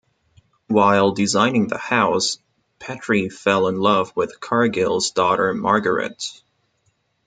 While designing the house, Petre fell in love with Cargill's daughter Margaret.